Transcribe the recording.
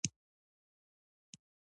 ټکری يې مازې په غاړه کې بند و.